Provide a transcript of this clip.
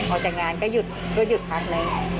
ออกจากงานก็หยุดพักหนึ่ง